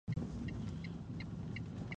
غازیان باید پر غلیم یرغل کړی وای.